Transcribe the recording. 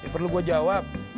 perlu gue jawab